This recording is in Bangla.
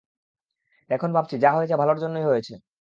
এখন ভাবছি, যা হয়েছে ভালোর জন্যই হয়েছে।